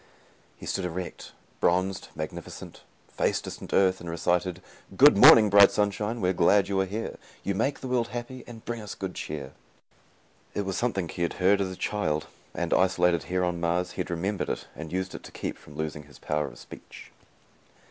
He stood erect, bronzed, magnificent, faced distant Earth, and recited: "Good morning, bright sunshine, We're glad you are here. You make the world happy, And bring us good cheer." It was something he had heard as a child and, isolated here on Mars, he had remembered it and used it to keep from losing his power of speech.